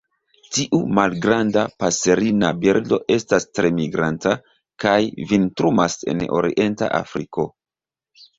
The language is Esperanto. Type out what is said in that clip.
Tiu malgranda paserina birdo estas tre migranta kaj vintrumas en orienta Afriko.